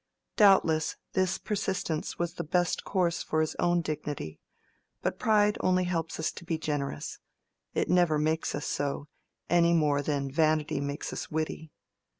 Doubtless this persistence was the best course for his own dignity: but pride only helps us to be generous; it never makes us so, any more than vanity makes us witty.